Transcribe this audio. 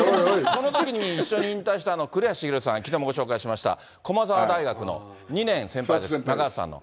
このときに一緒に引退した栗橋茂さん、きのうもご紹介しました、駒澤大学の２年先輩です、中畑さんの。